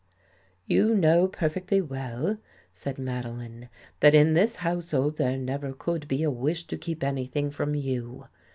" You know perfectly well," said Madeline, " that in this household there never could be a wish to keep anything from you.